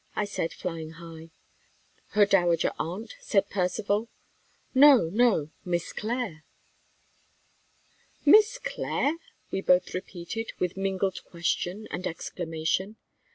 I said, flying high. "Her dowager aunt?" said Percivale. "No, no; Miss Clare." "Miss Clare!" we both repeated, with mingled question and exclamation.